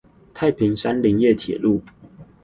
太平山林業鐵路